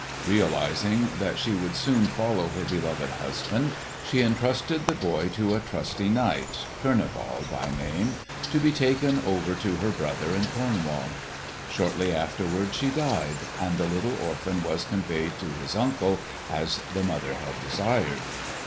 Realising that she would soon follow her beloved husband she entrusted the boy to a trusty knight, Kurneval by name, to be taken over to her brother in Cornwall. Shortly afterward she died, and the little orphan was conveyed to his uncle as the mother had desired.